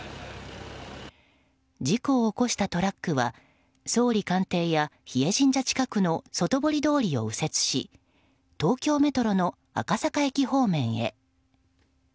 事故を起こしたトラックは総理官邸や日枝神社近くの外堀通りを右折し東京メトロの赤坂駅方面へ。